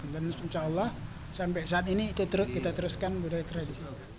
insya allah sampai saat ini kita teruskan budaya tradisional